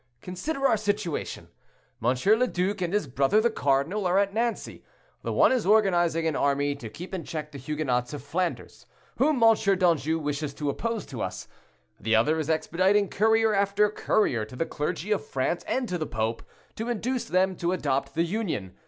Consider our situation; M. le Duc and his brother the cardinal are at Nancy—the one is organizing an army to keep in check the Huguenots of Flanders, whom M. d'Anjou wishes to oppose to us, the other is expediting courier after courier to the clergy of France and to the pope, to induce them to adopt the Union.